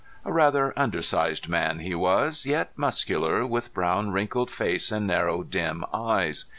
A rather undersized man he was, yet muscular, with brown wrinkled face and narrow dim eyes.